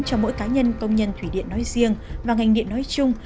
cho mỗi cá nhân công nhân thủy điện nói riêng và ngành điện nói chung